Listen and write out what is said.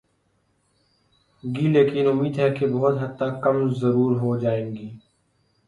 گی لیکن امید ہے کہ بہت حد تک کم ضرور ہو جائیں گی۔